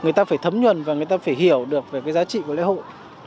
người ta phải thấm nhuần và người ta phải hiểu được về cái giá trị của lễ hội